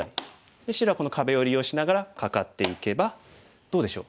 で白はこの壁を利用しながらカカっていけばどうでしょう？